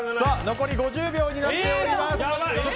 残り５０秒になっております！